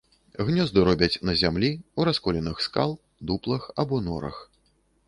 Гнёзды робяць на зямлі, у расколінах скал, дуплах або норах.